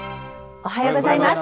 おはようございます。